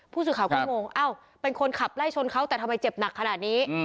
ผู้สื่อข่าวก็งงอ้าวเป็นคนขับไล่ชนเขาแต่ทำไมเจ็บหนักขนาดนี้